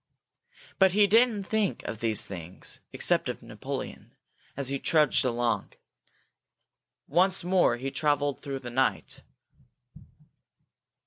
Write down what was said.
But he didn't think of these things, except of Napoleon, as he trudged along. Once more he traveled through the night.